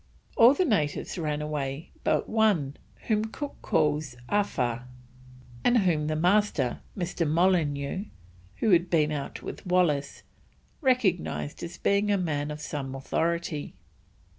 All the natives ran away but one, whom Cook calls Awhaa, and whom the Master, Mr. Molineaux, who had been out with Wallis, recognised as being a man of some authority.